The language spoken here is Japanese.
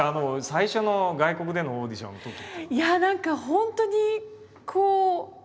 最初の外国でのオーディションのとき。